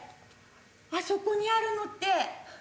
あそこにあるのって。